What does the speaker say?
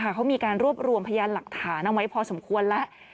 เขามีการรวบรวมพยานหลักฐานเอาไว้พอสมควรแล้ว